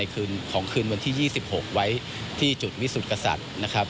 คืนของคืนวันที่๒๖ไว้ที่จุดวิสุทธิกษัตริย์นะครับ